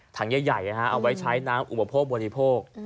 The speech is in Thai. ถังใหญ่เอาไว้ใช้น้ำอุปโภคบริโภค